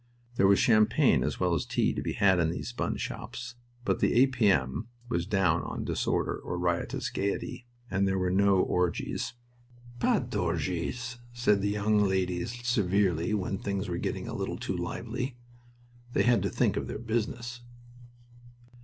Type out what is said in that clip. There was champagne as well as tea to be had in these bun shops, but the A. P. M. was down on disorder or riotous gaiety, and there were no orgies. "Pas d'orgies," said the young ladies severely when things were getting a little too lively. They had to think of their business.